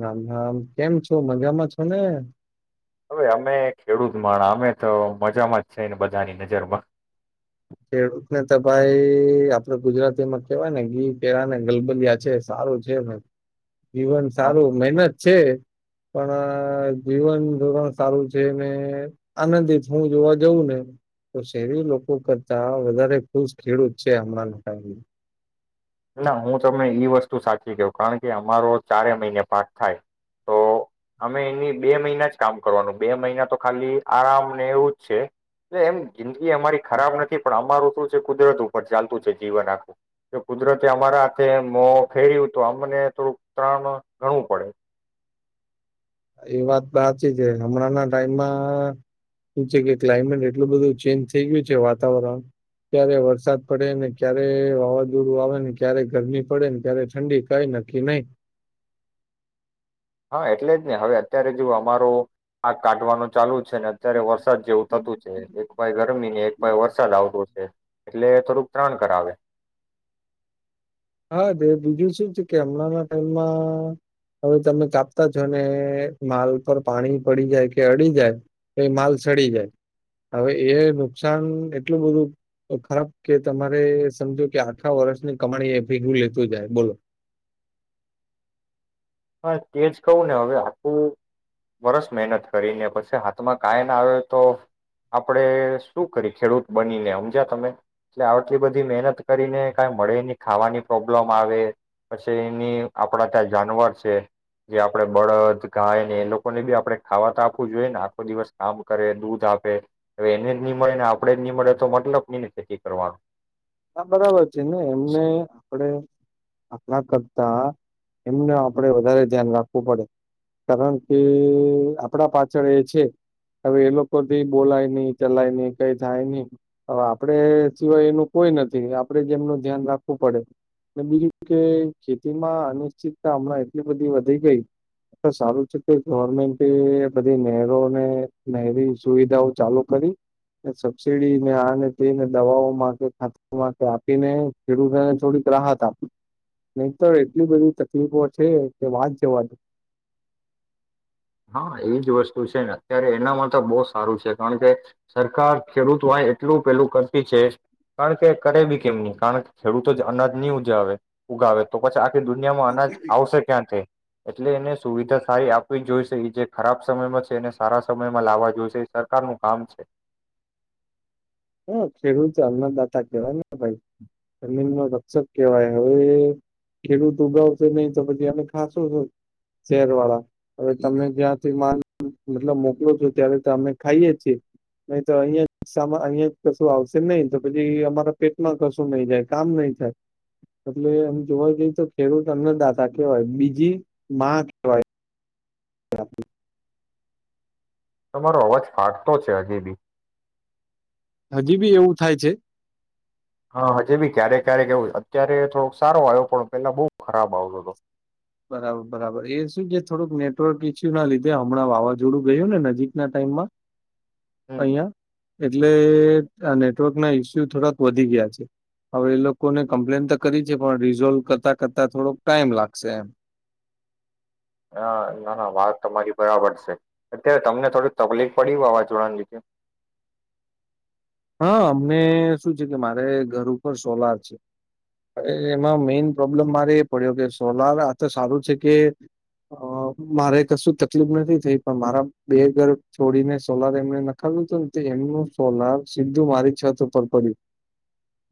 રામ રામ કેમ છો મજામાં છો ને? હવે અમે ખેડૂત મા અમે તો મજામાં જ છેને બધાની નજરમાં. ખેડૂત ને તો ભાઈ આપડે ગુજરાતીમાં કેવાય ને ઘી પેરા ને ગલબલિયા છે સારું છે પણ જીવન અમે સારું મહેનત છે પણ જીવન ધોરણ સારું છે ને આનંદિત હું જોવા જઉં ને તો સેવી લોકો કર તા વધારે ખુશ ખેડૂત છે હમણાં લોકો. ના હું તમને ઈ વસ્તુ સાચી ક્વ કારણ કે અમારો ચારે મહિને પાક થાય તો અમે એની બે મહિના જ કામ કરવાનું બે મહિના તો ખાલી આરામને એવું જ છે એટલે એમ જિંદગી અમારી ખરાબ નથી પણ અમારું શું છે કુદરત ઉપર ચાલતું છે જીવન આખું કુદરતે અમારા હાથે મો ફેર્યું તો અમને થોડુંક ત્રણ ગણું ઘણું પડે. એ વાત સાચી છે હમણાંના ટાઈમમાં શું છે કે ક્લાયમેટ એટલું બધું ચેન્જ થઈ ગયું છે વાતાવરણ ક્યારે વરસાદ પડે ને ક્યારે વાવાઝોડું આવે ને ક્યારે ગરમી પડે ને ક્યારે ઠંડી કઈ નક્કી નહી. હા એટલે જ નહી હવે અત્યારે જો અમારો આગ કાઢવાનું ચાલુ ને અત્યારે વરસાદ જેવું થતું છે એક પાય ગરમી ને એક પાય વરસાદ આવતો છે. એટલે થોડુંક ત્રણ કરાવે. હા તે બીજું શું છે કે હમણાં ટાઈમમાં હવે તમે કાપતા છો ને માલ પર પાણી પડી જાય કે અડી જાય તો માલ સડી જાય હવે એ નુકસાન એટલું બધું ખરાબ કે તમારે સમજો કે આખા વર્ષની કમાણી એ ભેગું લેતું જાય બોલો. તેજ કહું ને હવે આટું વરસ મહેનત કરીને પછી હાથમાં કઈ ના આવે તો આપણેે શું કરી ખેડૂત બનીને સમજ્યા તમે એટલે આટલી બધી મહેનત કરીને કઈ મળે એની ખાવાની પ્રોબ્લેમ આવે પછી એની આપણા ત્યાં જાનવર જે આપડે બળદ ગાય ને એ લોકોને બી આપણે ખાવાતા આપવું જોઈએ ને આખો દિવસ કામ કરે દૂધ આપે હવે એને જ નહી મળે ને આપણેે જ નહી મળે તો મતલબ કઈ ને ખેતી કરવાનો. હા બરાબર છે ને એમને આપડે આપણા કરતા એમને આપડે વધારે ધ્યાન રાખવું પડે કારણ કે આપડા પાછળ એ છે હવે એ લોકોથી બોલાય નહી ચલાય નહી કઈ થાય નહી હવે આપણે સિવાય એનું કોઈ નથી આપણેે જેમનું ધ્યાન રાખવું પડે અને બીજું કે ખેતીમાં અનિશ્ચિતતા હમણાં એટલી બધી વધી ગઈ સારું છે કે ગવર્મેન્ટ બધી નહેરોને નહેરી સુવિધાઓ ચાલુ કરી સબસિડીને આને તેને દવાઓ માંગ હાથમાં કે આપીને ખેડૂતોને થોડીક રાહત આપી નહી તો એટલી બધી તકલીફો છે કે વાત જવા દયો. હા એજ વસ્તુ છે ને અત્યારે એના માટે તો બહુ સારું છે કારણ કે સરકાર ખેડૂત આ એટલું પેલું કરતી છે કારણ કે કરે બી કેમ નહી કારણ કે ખેડૂતો જ અનાજ નહી ઉજાવે ઉગાવે તો પછી કે દુનિયામાં અનાજ આવશે ક્યાંથી? એટલે એને સુવિધા સારી આપવી જોઈશ એ લીધે જે ખરાબ સમયમાં છે એને સારા સમયમાં લાવવા જોઈશે એ સરકારનું કામ છે. હા ખેડૂત અન્નદાતા કેવાય ને ભાઈ જમીન ન રક્ષક કેવાય હવે ખેડૂત ઉગાવશે નહી તો પછી અમે ખાશો છ શહેર વાળા હવે તમે જ્યાંથી માલ મતલબ મોકલો છો ત્યારે તો અમે ખાઈએ છીએ નહી તો અહિયાં સા અહિયાં કશું આવશે નહી તો પછી અમારા પેટમાં કશું નહી જાય કામ નહી થાય એટલે અમ જોવા જઈએ તો ખેડૂત અન્નદાતા કહેવાય બીજી માં કહેવાય. હ. તમારો અવાજ ફાટતો છે હજી બી. હજી બી એવું થાય છે? હા હજી ભી ક્યારેક ક્યારેક કે એવું અત્યારે થોડોક સારો આવ્યો પણ પેલા બહુ ખરાબ આવતો હતો. બરાબર બરાબર એ શું છે થોડુંક નેટવર્ક ઈસ્યુ ના લીધે હમણાં વાવાઝોડું ગયું ને નજીકના ટાઈમમાં હમ. અહયા? એટલે અને નેટવર્કના ઈસ્યુ થોડાક વધી ગયા છે હવે એ લોકોને કમ્પ્લેન તો કરી છે પણ રિઝોલ્વ કરતાં કરતા થોડોક ટાઈમ લાગશે એમ. હ ના ના વાત તમારી બરાબર છે અત્યારે તમને થોડી તકલીફ પડી વાવાઝોડાની લીધે. હા અમને શું છે કે મારે ઘર ઉપર સોલાર છે એમાં મેઈન પ્રોબ્લેમ મારે એ પડ્યો કે સોલાર આ તો સારું છે કે મારે કશું તકલીફ નથી થઈ પણ મારા બે ઘર છોડીને સોલાર એમને નખાવ્યું હતું ને તો એમનું સોલાર મારી છત ઉપર પડ્યું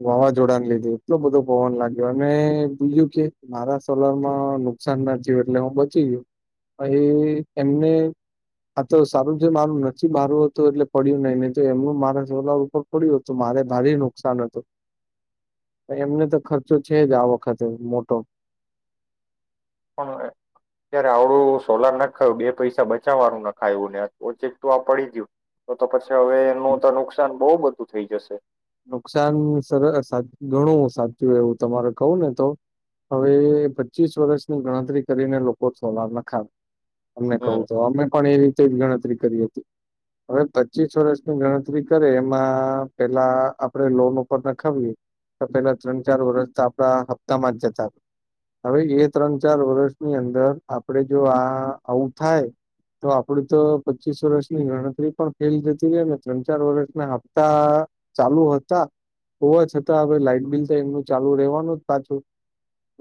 વાવાઝોડા ને લીધું એટલો બધો પવન લાગ્યો અને બીજું કે મારા સોલર માં નુકસાન ના થય એટલે હું બચી ગયયો અ એમને આ તો સારું છે મારું નથી બારું હતું એટલે પડ્યું નહી નહી તો એમનું મારા સોલાર ઉપર પડ્યું હતું મારે ભારે નુકસાન હતું એમને તો ખર્ચો છે જ આ વખતે મોટો. પણ ત્યારે આવડું સોલાર નાખાયું બે પૈસા બચાવવાનું નખાયું ને ઓચક તું આ પડી ગયું તો તો પછી હવે એનું તો નુકસાન બહ બધું થઈ જશે. નુકસાન સર ગણું સાચું એવું તમારે કહું ને તો હવે પચીસ વર્ષની ગણતરી કરીને લોકો સોલાર નખાવે. તમેને હમ કહું તો અમે પણ એ રીત તેજ ગણતરી કરી હતી હવે પચીસ વર્ષની ગણતરી કરે એમાં પેલા આપણે લોન ઉપર નખાવીએ તો પેલા ત્રણ ચાર વરષ તો આપડા હપ્તામાં જ જતા હતા હવે એ ત્રણ ચાર વર્ષની અંદર આપણે જો આ આવું થાય તો આપડ તો પચીસ વર્ષની ગણતરી પણ ફેલ જતી ર ને ત્રણ ચાર વર્ષના હપ્તા ચાલુ હતા હોવા છતાં હવે લાઈટ બિલ તો એમનું ચાલુ રેવાનું જ પાછું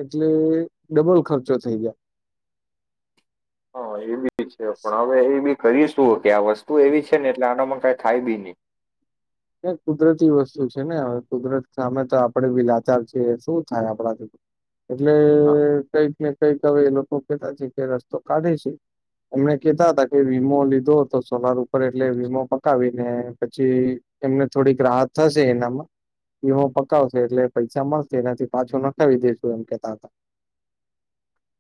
એટલે ડબલ ખર્ચો થઈ જય. હા એ બી છે પણ હવે એ બી ખરી શું? કે આ વસ્તુ એવી છે ને એટલે આનોમાં ક ખાઈ બી નઈ. એ કુદરતી વસ્તુ છે ને કુદરત સામે તો આપડે બી લાચાર છે શું થાય આપણાથી. એટલે કઈક કઈક એ લોકો કેતા છે કે રસ્તો કાઢે છે એમને કહેતા હતા કે વીમો લીધો હતો સોલાર ઉપર એટલે વીમો પકાવીને પછી એમને થોડીક રાહત થશે એનામાં વીમો પકાવશે એટલે પૈસા મળશે એનાથી પાછો નખાવી દેસુ એમ કેતા હતા.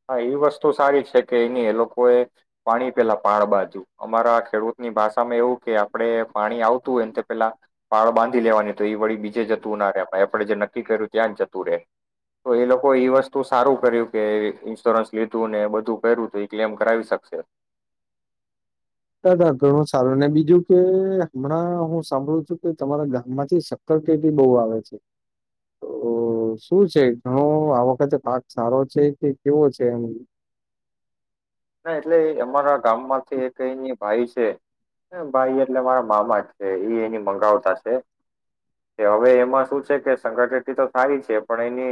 હા એ વસ્તુ સારી છે કે એની એ લોકો એ પાણી પેલા પાડ બાંધ્યું અમારા ખેડૂતની ભાષામાં એવું કે આપણે પાણી આવતું હોય ને પેલા પાળ બાંધ ધી લેવાની તો એ વળી બીજે જતું ના રાઈ આપે જે નક્કી કર્યું ત્યાં જતું રે તો એ લોકો એ વસ્તુ સારું કર્યું કે ઈન્સ્યોરન્સ લીધું ને બધું કયરુ તો એ ક્લેમ કરાવી શકશે. દાદા ઘણું સારું અને બીજું કે હમણાં હું સાંભળું છું કે તમારા ગામ માંથી શક્કર કેટી બહુ આવે છે તો શું છે ઘણો આ વખતે પાક સારો છે કે કેવો છે એમ? ના એટલે અમારા ગામમાંથી એક એની ભાઈ છે ભાઈ એટલે મારા મામા છે એ એની મંગાવતા છે કે હવે એમાં શું છે કે સંગઠતી તો સારી છે પણ એની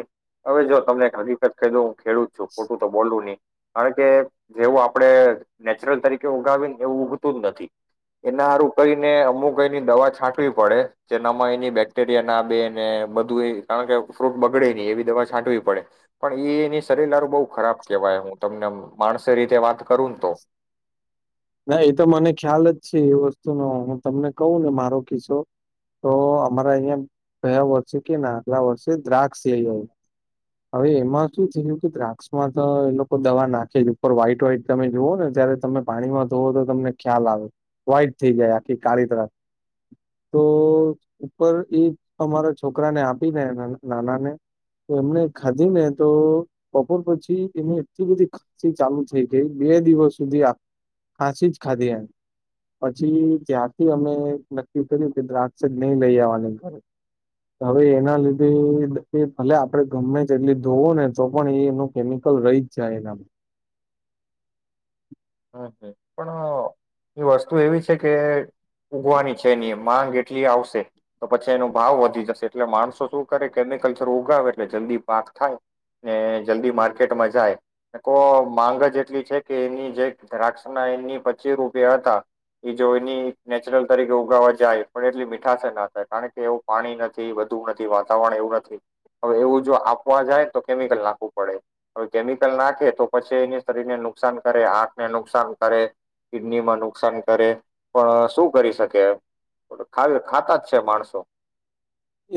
હવે જો તમને હકીકત ખો હું ખેડુ જ છું ખોટું તો બોલું નહી કારણ કે જેવું આપડે નેચરલ તરીકે ઉગાવીને એવું ઉગતું જ નથી એના સારું કહીને અમુક એની દવા છાંટવી પડે જેનામાં એની બેક્ટેરિયા ના બેને બધું એ કારણ કે ફ્રૂટ બગડે નહી એવી દવા છાંટવી પડે પણ એની શરીર લારું બહુ ખરાબ કેહેવાય હું તમને માણસ ને રીતે વાત કરૂ ને તો. ના એ તો મને ખ્યાલ જ છે એ વસ્તુનો હું તમને કહ ને મારો કિસ્સો તો અમારા અહીિયાં ગયા વર્ષે કે ના આગલા વર્ષે દ્રાક્ષ લઈ આવું હવે એમાં શું થયું કે દ્રાક્ષમાં તો એ લોકો દવા નાખે છે ઉપર વ્હાઈટ વહાઈટ તમે જોઓ ને જયારે તમે પાણીમાં તો તો તમને ખ્યાલ આવે વહાઈટ થઈ જાય આખી કાળી ત્રસ તો ઉપર એ અમારા છોકરાને આપીને નાના ને એમને ખાધી ને તો બપોર પછી એની એટલી બધી ખાસી ચાલુ થઈ ગઈ બે દિવસ સુધી ખાસી જ ખાધી એમ પછી ત્યારથી અમે નક્કી કર્યું કે દ્રાક્ષે જ નહી લઈ આવવાની ઘરે હવે એના લીધે ભલે આપણે ગમે તેટલી ધોવો ને તો પણ એનું કેમિકલ રહી જ જાય એના હમ પણ એ વસ્તુ એવી છે કે ઉગવાની છેની માંગ એટલી આવશે તો પછી એનો ભાવ વધી જશે એટલે માણસો શું કરે કેમિકલ જરું ઉગાવે એટલે જલ્દી પાક થાય ને જલ્દી માર્કેટમાં જાય કો માંગ જ એટલી છે કે એની જે દ્રાક્ષ ના એની પચ્ચી રૂપ એ હતા એ જો એની નેચરલ તરીકે ઉગાવા જાય પણ એટલી મીઠાશે ના થાય કારણ કે એવું પાણી નથી વધુ નથી વાતાવરણ એવું નથી હવે એવું જો આપવા જાય તો કેમિકલ નાખવું પડે હવે કેમિકલ નાખે તો પછી એને શરીરને નુકસાન કરે આ. ને નુકસાન કરે કિડની માં નુકસાન કરે પણ શું કરી શકે ખ ખાતા જ છે માણસો.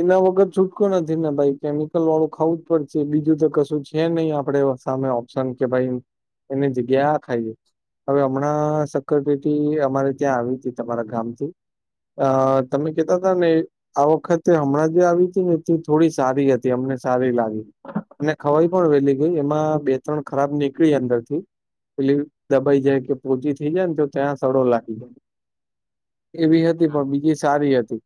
એના વગર છૂટકો નથી ને ભાઈ કેમિકલ વાળું ખાવું જ પડશે બીજું તો કશું છે નહી આપણેે સામે ઓપ્શન કે ભાઈ એની જગ્યા આ ખાઈએ હવે હમણાં સક્યોરટી અમારે ત્યાં આવીતી તમારા ગામથી અ તમે કેતાતાને આ વખત હમણાં જે આવી હતી ને એથી થોડી સારી હતી અમને સારી લાગી અને ખવાઈ પણ વેલી ગઈ એમાં બે ત્રણ ખરાબ નીકળી અંદર થી પેલી દબાઈ જાય કે પોચી થઈ જાય ને તો ત્યાં સડો લાગી જાય. એવી હતી પણ બીજી સારી હતી.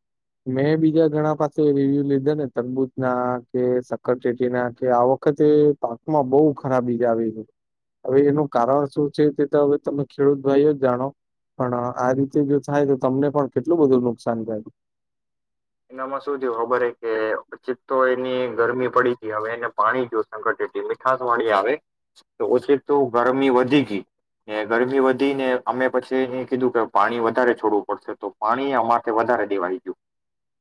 મેં બીજા ઘણા પાસે રિવ્યુ લીધે ને તરબૂતના કે સક્કર ચેટીના કે આ વખતે પાકમાં બહુ ખરાબી આવી હવે એનું કારણ શું છે તે તો હવે તમે ખેડૂત ભાઈ જ જાણો પણ આ રીતે જો થાય તો તમને પણ કેટલું બધું નુકસાન થયું. એનામાં શું થયું ખબર હે કે પછી તો એની ગરમી પડી ગઈ હવે એને પાણી જો સંક મીઠાાસ વાણી આવે તો ઓછી તો ગરમી વધી ગઈ ગરમી વધીને અમે પછી એ કીધું કે પાણી વધારે છોડવું પડશે તો પાણી અમારેથી વધારે દેવાળી ગયું.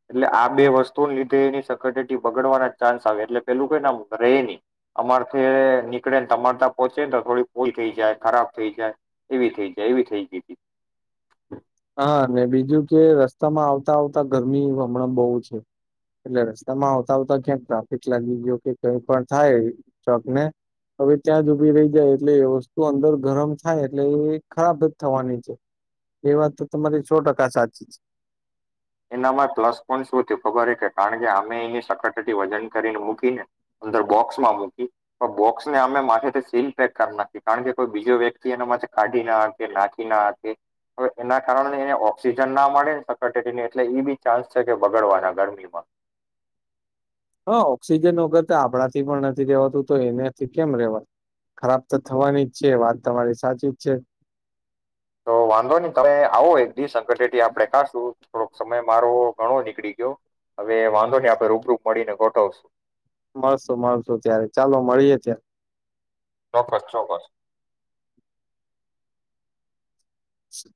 એટલે આ બે વસ્તુને લીધે એની સકટેેટી બગડવાના ચાન્સ આવે એટલે પેલું કઈ ના ર નહ અમારથી નીકળે ને અમાર ત પોહોંચે ને તો થોડી ફૂલ થઈ જાય ખરાબ થઈ જાય એવી થઈ જાય એવી થઈ ગય હતી. હા ને બીજું કે રસ્તામાં આવતા આવતા ગરમી હમણાં બહુ છે એટલે રસ્તામાં આવતા આવતા ક્યાંક ટ્રાફિક લાગી ગયો કે કઈ પણ થાય ટ્રક ને હવે ત્યાં જ ઉભી રહી જાય એટલે એ વસ્તુ અંદર ગરમ થાય એટલે એ ખરાબ જ થવાની છે એ વાત તો તમારી છો ટકા સાચી જ. એનામાં પ્લસ પોઈન્ટ શું થયું ખબર હ કે. કારણ કે અમે એની સખટ. વજન કરીને મૂકીને અંદર બોક્સમાં મૂકી બોક્સને અમે માથે સીલ પેક કરી નાખી કારણ કે કોઈ બીજો વ્યક્તિ એનાથે કાઢી નાકે નાખી નાખકે હવે એના કારણે એને ઓક્સિજન ના મળે ને સકને એટલે એ બી ચાન્સ છે કે બગડવાના ગરમીમાં હા ઓક્સિજન વગર આપણાથી પણ નથી રેવાતું તો એનાથી કેમ રેવાત ખરાબ તો થવાની જ છે વાત તમારી સાચી જ છે. તો વાંધો નહી તમે આવો એક દિવસકટેટી આપડે કાશું થોડોક સમય મારો ઘણો નીકળી ગયો હવે વાંધો ને આપડે રૂબરૂપ મળીને ગોઠવશું મળશું મળશું ત્યારે ચાલો મળીએે ત્યારે. ચોક્કસ ચોક્કસ. અચછા.